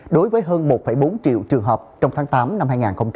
đối với hơn một bốn triệu trường hợp trong tháng tám năm hai nghìn hai mươi